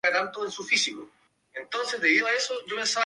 Es militante del Partido Socialista.